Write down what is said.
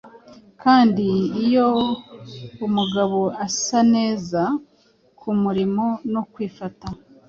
kandi iyo umugabo asa neza Kumurimo no kwifata